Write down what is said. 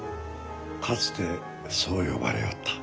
かつてそう呼ばれよった。